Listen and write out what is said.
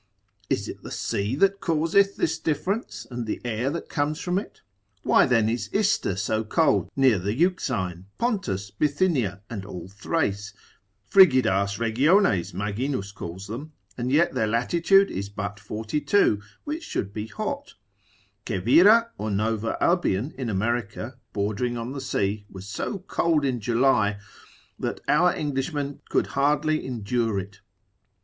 Is it the sea that causeth this difference, and the air that comes from it: Why then is Ister so cold near the Euxine, Pontus, Bithynia, and all Thrace; frigidas regiones Maginus calls them, and yet their latitude is but 42. which should be hot: Quevira, or Nova Albion in America, bordering on the sea, was so cold in July, that our Englishmen could hardly endure it.